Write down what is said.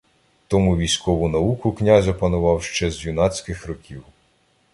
Тому військову науку князь опанував ще з юнацьких років.